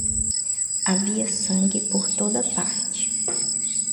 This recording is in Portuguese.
Havia sangue por toda parte.